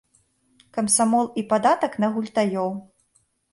Камсамол і падатак на гультаёў.